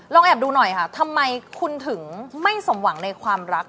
แอบดูหน่อยค่ะทำไมคุณถึงไม่สมหวังในความรัก